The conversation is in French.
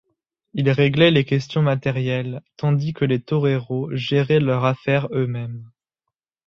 Il réglait les questions matérielles tandis que les toreros géraient leurs affaires eux-mêmes.